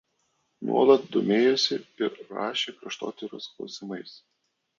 Nuolat domėjosi ir rašė kraštotyros klausimais.